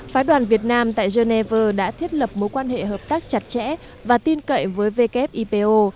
phái đoàn việt nam tại geneva đã thiết lập mối quan hệ hợp tác chặt chẽ và tin cậy với wipo